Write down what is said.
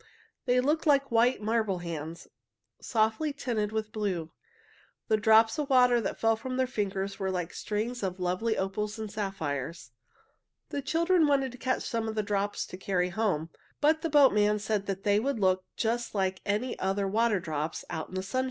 They looked like white marble hands, softly tinted with blue. The drops of water that fell from their fingers were like strings of lovely opals and sapphires. The children wanted to catch some of the drops to carry home, but the boat man said they would look just like any other water drops out in the sunshine.